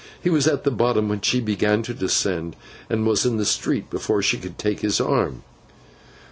He was at the bottom when she began to descend, and was in the street before she could take his arm.